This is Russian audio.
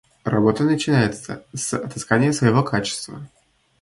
Работа начинается с отыскания своего качества.